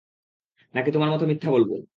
নাকি তোমার মতো মিথ্যা বলব?